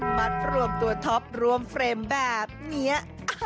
มัดรวมตัวท็อปรวมเฟรมแบบนี้